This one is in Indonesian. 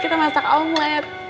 kita masak omlet